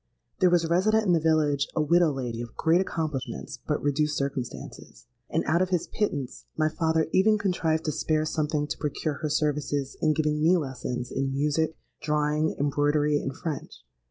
There was resident in the village, a widow lady of great accomplishments, but reduced circumstances; and out of his pittance my father even contrived to spare something to procure her services in giving me lessons in music, drawing, embroidery, and French.